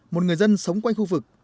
một người dân sống quanh khu vực